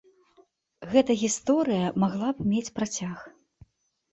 Гэтая гісторыя магла б мець працяг.